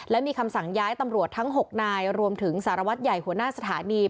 และมีคำสั่งย้ายตำรวจทั้ง๖นายรวมถึงสารวัตรใหญ่หัวหน้าสถานี